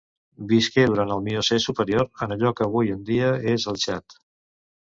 Visqué durant el Miocè superior en allò que avui en dia és el Txad.